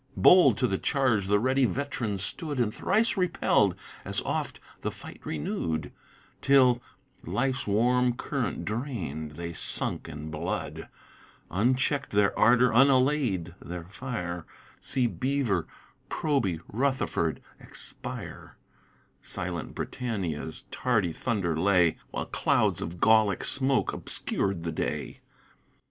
Bold to the charge the ready vet'ran stood And thrice repell'd, as oft the fight renewed, Till (life's warm current drain'd) they sunk in blood, Uncheck'd their ardor, unallay'd their fire, See Beaver, Proby, Rutherford, expire; Silent Britannia's tardy thunder lay While clouds of Gallick smoke obscur'd the day.